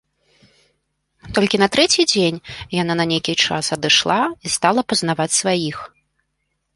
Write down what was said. Толькі на трэці дзень яна на нейкі час адышла і стала пазнаваць сваіх.